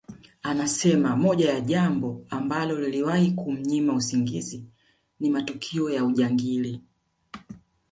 Anasema moja ya jambo ambalo liliwahi kumnyima usingizi ni matukio ya ujangili